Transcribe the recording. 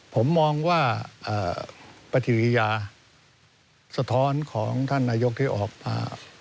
ผมมองว่าปฏิกิริยาสะท้อนของท่านนายกที่ออกมา